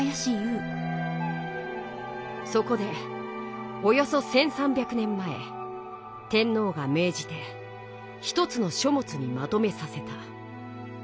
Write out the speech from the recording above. そこでおよそ１，３００年前天のうがめいじて一つの書もつにまとめさせた。